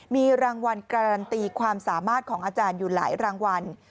มีรางวัลการันตีความสามารถของอาจารย์อยู่หลายรางวัล